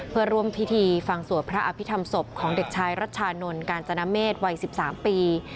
เพื่อร่วมพิธีฟังสวดพระอภิษฐรรมศพของเด็กชายรัชชานนท์กาญจนเมษวัย๑๓ปี